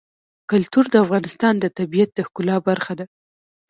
کلتور د افغانستان د طبیعت د ښکلا برخه ده.